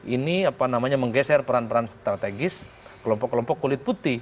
ini menggeser peran peran strategis kelompok kelompok kulit putih